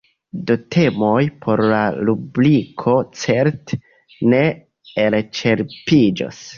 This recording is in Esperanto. Do temoj por la rubriko certe ne elĉerpiĝos.